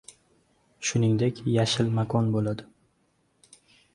Shuningdek, yashil makon bo'ladi.